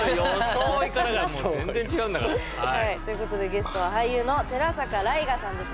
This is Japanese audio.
装いからがもう全然違うんだから。ということでゲストは俳優の寺坂頼我さんです。